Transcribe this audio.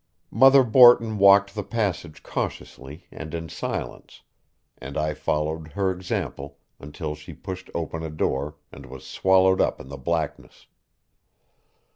Mother Borton walked the passage cautiously and in silence, and I followed her example until she pushed open a door and was swallowed up in the blackness.